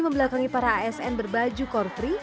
membelakangi para asn berbaju korpri